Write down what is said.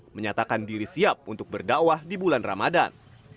menyatakan diri siap untuk berdakwah di bulan ramadan